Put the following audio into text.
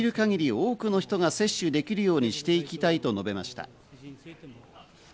多くの人が接種できるようにしていきたいと述べました。